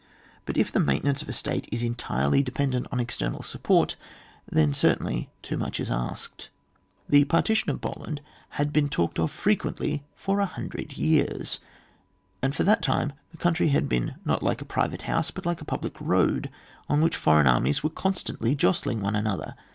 But if the maintenance of a state is entirely dependent on external support, then certainly too much is asked. The partition of Poland had been talked of frequently for a hundred years, and for that time the country had been not like a private house, but like a public road, on which foreign armies were con stantly jostling one another.